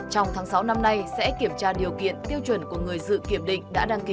trong tháng sáu năm nay sẽ kiểm tra điều kiện tiêu chuẩn của người dự kiểm định